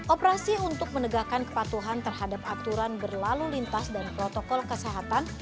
operasi untuk menegakkan kepatuhan terhadap aturan berlalu lintas dan protokol kesehatan